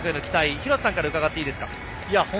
廣瀬さんから伺っていいですか。